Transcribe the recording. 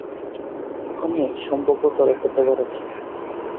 ওখানে সম্ভাব্যতার একটা ব্যাপার আছে।